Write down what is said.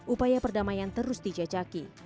upaya perdamaian terus dicecaki